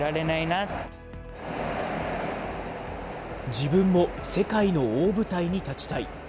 自分も世界の大舞台に立ちたい。